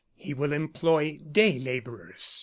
"He will employ day laborers."